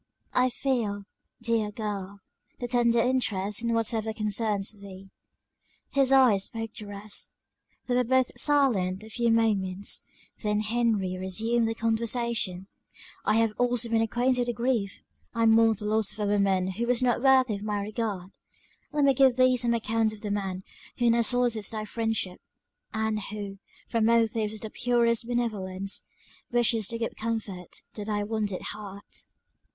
"I feel, dear girl, the tendered interest in whatever concerns thee." His eyes spoke the rest. They were both silent a few moments; then Henry resumed the conversation. "I have also been acquainted with grief! I mourn the loss of a woman who was not worthy of my regard. Let me give thee some account of the man who now solicits thy friendship; and who, from motives of the purest benevolence, wishes to give comfort to thy wounded heart."